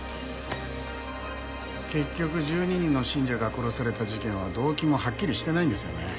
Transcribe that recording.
結局１２人の信者が殺された事件は動機もはっきりしてないんですよね。